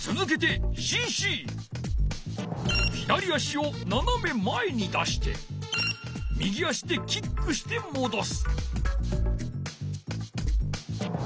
同じように右足をななめまえに出して左足でキックしてもどす。